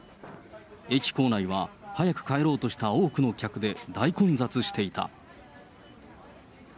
駅構内は早く帰ろうとした多くの客で大混雑していた。